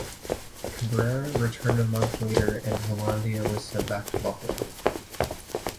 Cabrera returned a month later, and Velandia was sent back to Buffalo.